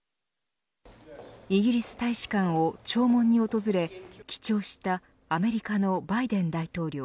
イギリス大使館を弔問に訪れ記帳したアメリカのバイデン大統領。